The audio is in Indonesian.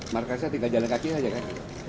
markasnya tinggal jalan kaki saja kan